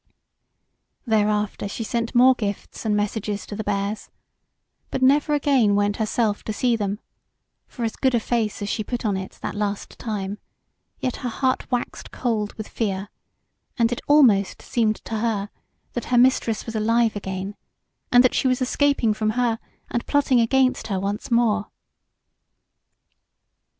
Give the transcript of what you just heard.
Thereafter she sent more gifts and messages to the Bears, but never again went herself to see them; for as good a face as she put on it that last time, yet her heart waxed cold with fear, and it almost seemed to her that her Mistress was alive again, and that she was escaping from her and plotting against her once more.